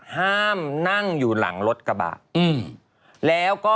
ห้ามนั่งอยู่หลังรถกระบะ